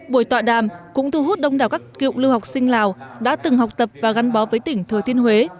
buổi tọa đàm cũng thu hút đông đảo các cựu lưu học sinh lào đã từng học tập và gắn bó với tỉnh thừa thiên huế